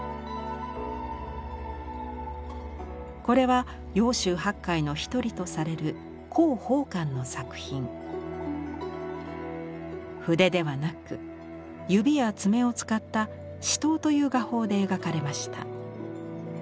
これは揚州八怪の一人とされる筆ではなく指や爪を使った指頭という画法で描かれました。